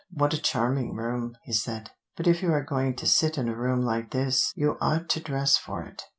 "What a charming room!" he said. "But if you are going to sit in a room like this, you ought to dress for it."